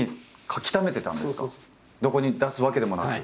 どこに出すわけでもなく。